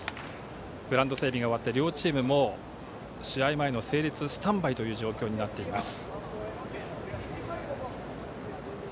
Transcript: グラウンド整備が終わって両チーム、もう試合前の整列スタンバイという状況になっています。